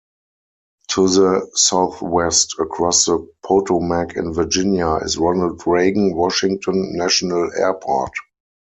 To the southwest, across the Potomac in Virginia, is Ronald Reagan Washington National Airport.